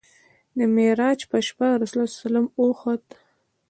د معراج په شپه رسول الله وخوت.